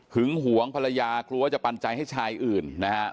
หึงห่วงภรรยากลัวจะปันใจให้ชายอื่นนะฮะ